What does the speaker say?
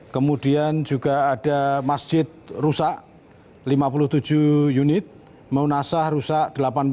kemudian juga ada masjid rusak lima puluh tujuh unit maunasah rusak delapan puluh tujuh